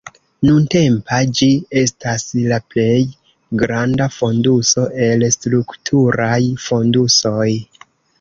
Nuntempa ĝi estas la plej granda fonduso el strukturaj fondusoj.